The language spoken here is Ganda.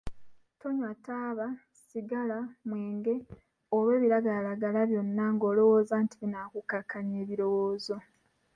Tonywa taaba, sigala, mwenge oba ebiragalalagala ng’olowooza nti binaakukkakkanya ebirowoozo.